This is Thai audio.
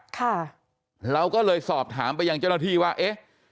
ค่ะเราก็เลยสอบถามไปยังเจ้าหน้าที่ว่าเอ๊ะ